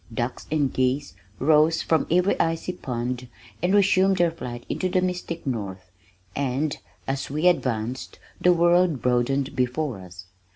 Ducks and geese rose from every icy pond and resumed their flight into the mystic north, and as we advanced the world broadened before us.